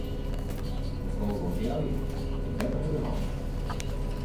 De ko wol kealje, it wetter is der al.